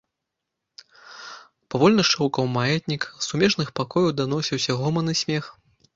Павольна шчоўкаў маятнік, з сумежных пакояў даносіўся гоман і смех.